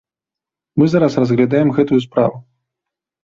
Мы зараз разглядаем гэтую справу.